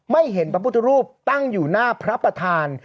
เห็นพระพุทธรูปตั้งอยู่หน้าพระประธาน